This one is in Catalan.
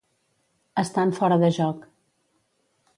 Estar en fora de joc.